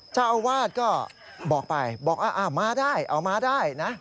เจ้าอาวาสก็บอกไปบอกมาได้เอามาได้นะ